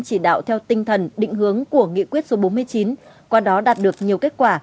chỉ đạo theo tinh thần định hướng của nghị quyết số bốn mươi chín qua đó đạt được nhiều kết quả